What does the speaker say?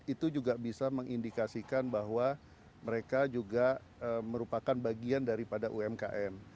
itu juga bisa mengindikasikan bahwa mereka juga merupakan bagian daripada umkm